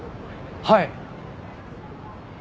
はい。